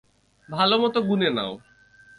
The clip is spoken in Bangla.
ভালোমতো গুণে নাও।